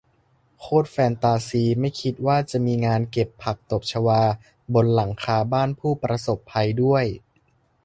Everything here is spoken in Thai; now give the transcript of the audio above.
โคตรแฟนตาซี ไม่คิดว่าจะมีงานเก็บผักตบชวาบนหลังคาบ้านผู้ประสบภัยด้วย